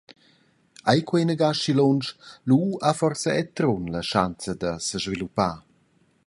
Ei quei inagada schi lunsch, lu ha forsa era Trun la schanza da sesviluppar.